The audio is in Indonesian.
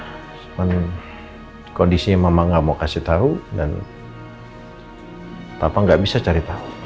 cuman kondisinya mama gak mau kasih tau dan papa gak bisa cari tau